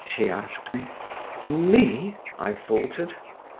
she asked me. "Me?" … I faltered.